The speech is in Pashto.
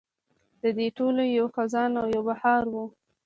د دې ټولو یو خزان او یو بهار و.